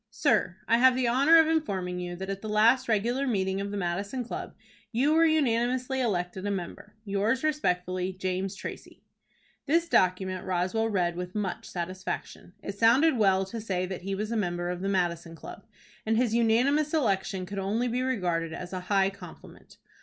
"Sir: I have the honor of informing you that at the last regular meeting of the Madison Club you were unanimously elected a member. "Yours respectfully, "JAMES TRACY." This document Roswell read with much satisfaction. It sounded well to say that he was a member of the Madison Club, and his unanimous election could only be regarded as a high compliment.